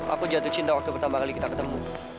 aku jatuh cinta waktu pertama kali kita ketemu